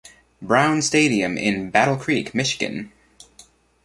Brown Stadium in Battle Creek, Michigan.